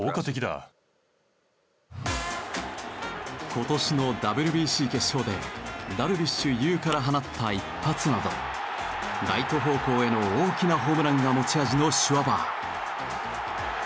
今年のＷＢＣ決勝でダルビッシュ有から放った一発などライト方向への大きなホームランが持ち味のシュワバー。